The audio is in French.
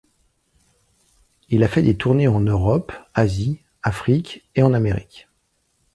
Il a fait des tournées en Europe, Asie, Afrique et en Amérique.